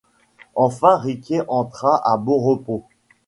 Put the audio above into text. Enfin Riquet rentra à Bonrepos.